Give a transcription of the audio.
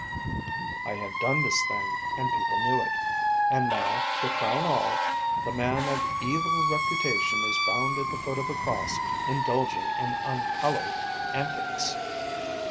I had done this thing; and people knew it. And now, to crown all, the man of evil reputation is found at the foot of a cross indulging in unhallowed antics.